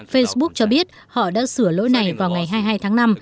facebook cho biết họ đã sửa lỗi này vào ngày hai mươi hai tháng năm